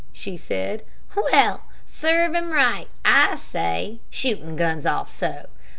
she said. "Well, serve him right, I say, shootin' guns off so.